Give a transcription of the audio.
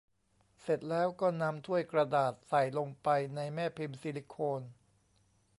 เสร็จแล้วก็นำถ้วยกระดาษใส่ลงไปในแม่พิมพ์ซิลิโคน